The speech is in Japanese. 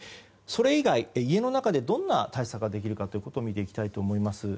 それ以外、家の中でどんな対策ができるか見ていきたいと思います。